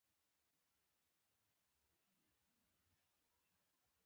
دا جنګونه د ډله ييزو ګټو لپاره وو او مجاهدینو ته يې زیان ورساوه.